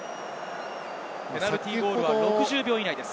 ペナルティーゴールは６０秒以内です。